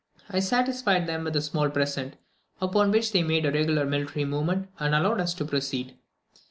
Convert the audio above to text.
I satisfied them with a small present, upon which they made a regular military movement, and allowed us to proceed.